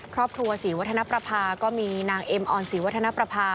ครอบครัวศรีวัฒนประภาก็มีนางเอ็มออนศรีวัฒนประภา